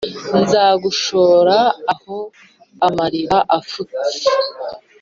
nzagushora aho amariba afutse